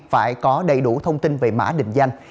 phải có đầy đủ thông tin về mã định danh